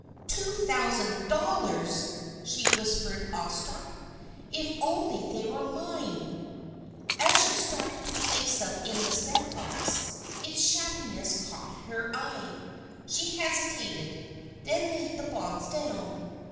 "Two thousand dollars!" she whispered awestruck. "If only they were mine!" As she started to place them in the stamp box, its shabbiness caught her eye. She hesitated, then laid the bonds down.